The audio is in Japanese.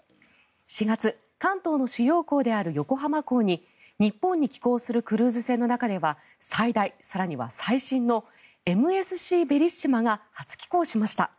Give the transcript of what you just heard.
４月関東の主要港である横浜港に日本に寄港するクルーズ船の中では最大、更には最新の「ＭＳＣベリッシマ」が初寄港しました。